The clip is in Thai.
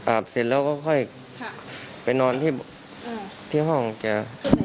เสร็จแล้วก็ค่อยไปนอนที่ห้องแก